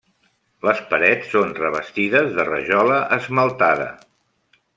Les parets són revestides de rajola esmaltada.